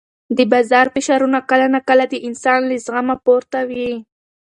د بازار فشارونه کله ناکله د انسان له زغمه پورته وي.